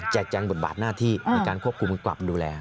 แจงบทบาทหน้าที่ในการควบคุมกลับดูแล